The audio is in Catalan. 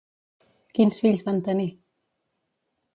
Quins fills van tenir?